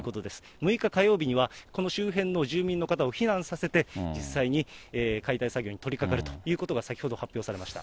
６日火曜日には、この周辺の住民の方を避難させて、実際に解体作業に取り掛かるということが先ほど発表されました。